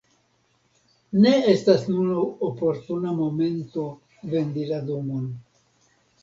Ne estas nun oportuna momento vendi la domon.